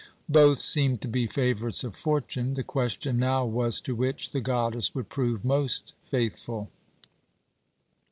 Both seemed to be favourites of Fortune. The question now was to which the goddess would prove most faithful.